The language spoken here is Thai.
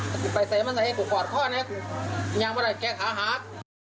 ถ้าไปเสมอให้กูขอดข้อไม่งั้นเวลาแกะขาหัก